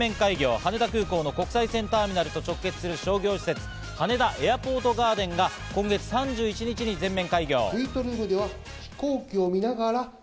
羽田空港の国際線ターミナルと直結する羽田エアポートガーデンが今月３１日に全面開業。